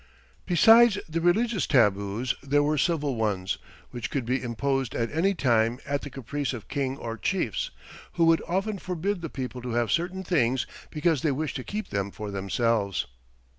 Besides the religious tabus there were civil ones, which could be imposed at any time at the caprice of king or chiefs, who would often forbid the people to have certain things because they wished to keep them for themselves.